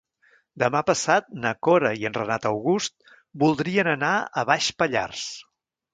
Demà passat na Cora i en Renat August voldrien anar a Baix Pallars.